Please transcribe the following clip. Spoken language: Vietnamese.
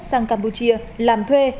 sang campuchia làm thuê